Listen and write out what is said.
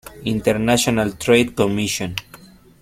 International Trade Commission.